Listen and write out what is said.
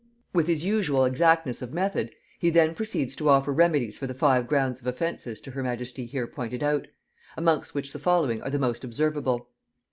With his usual exactness of method, he then proceeds to offer remedies for the five grounds of offence to her majesty here pointed out; amongst which the following are the most observable.